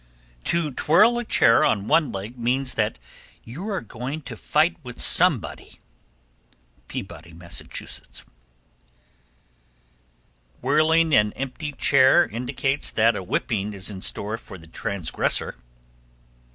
_ 1279. To twirl a chair on one leg means that you are going to fight with somebody. Peabody, Mass. 1280. Whirling an empty chair indicates that a whipping is in store for the transgressor.